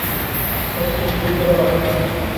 সবকিছু রেডি করা লাগবে।